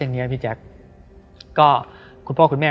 เพื่อที่จะให้แก้วเนี่ยหลอกลวงเค